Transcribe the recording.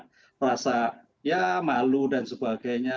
harusnya rasa menyesal rasa malu dan sebagainya